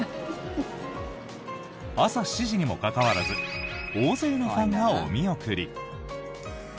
朝７時にもかかわらず大勢のファンがお見送り。